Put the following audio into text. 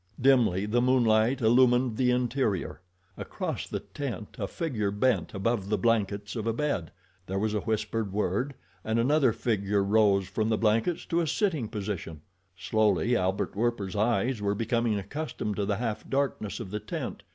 Dimly the moonlight illumined the interior. Across the tent a figure bent above the blankets of a bed. There was a whispered word, and another figure rose from the blankets to a sitting position. Slowly Albert Werper's eyes were becoming accustomed to the half darkness of the tent.